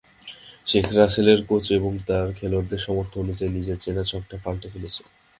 শেখ রাসেলের কোচ এবার তাঁর খেলোয়াড়দের সামর্থ্য অনুযায়ী নিজের চেনা ছকটা পাল্টে ফেলেছেন।